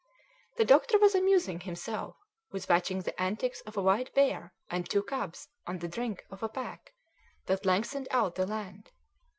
The doctor was amusing himself with watching the antics of a white bear and two cubs on the brink of a pack that lengthened out the land.